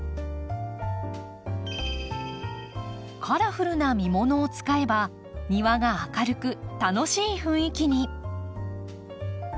カラフルな実ものを使えば庭が明るく楽しい雰囲気に。